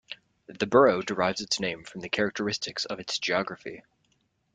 The borough derives its name from the characteristics of its geography.